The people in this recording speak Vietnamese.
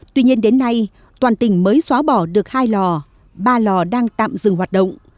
tuy nhiên đến nay toàn tỉnh mới xóa bỏ được hai lò ba lò đang tạm dừng hoạt động